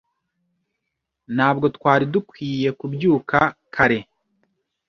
Ntabwo twari dukwiye kubyuka kare.